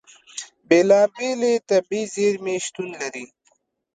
بېلابېلې طبیعي زیرمې شتون لري.